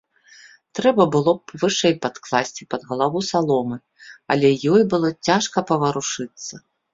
Трэба было б вышэй падкласці пад галаву саломы, але ёй было цяжка паварушыцца.